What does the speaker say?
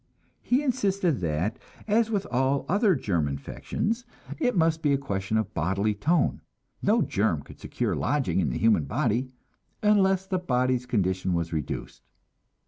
He insisted that, as with all other germ infections, it must be a question of bodily tone; no germ could secure lodgment in the human body unless the body's condition was reduced.